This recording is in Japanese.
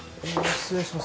失礼します。